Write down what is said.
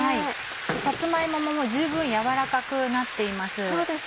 さつま芋ももう十分軟らかくなっています。